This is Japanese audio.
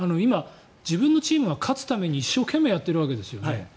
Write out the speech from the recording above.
自分のチームが勝つために一生懸命やってるわけですよね。